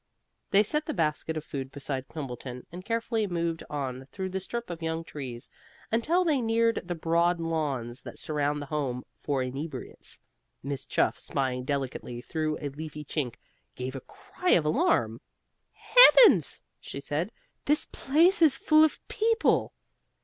They set the basket of food beside Quimbleton, and carefully moved on through the strip of young trees until they neared the broad lawns that surround the Home for Inebriates. Miss Chuff, spying delicately through a leafy chink, gave a cry of alarm. "Heavens!" she said. "The place is full of people!"